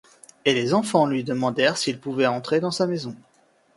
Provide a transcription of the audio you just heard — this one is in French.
Et les enfants lui demandèrent s’ils pouvaient entrer dans sa maison.